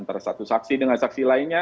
antara satu saksi dengan saksi lainnya